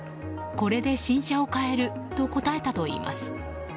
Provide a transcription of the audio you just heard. これで新車を買えると答えたといいます。